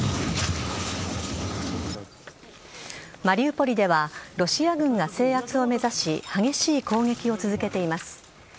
マリウポリではロシア軍が制圧を目指し激しい攻撃を続けています。